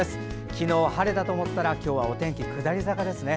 昨日晴れたと思ったら今日はお天気、下り坂ですね。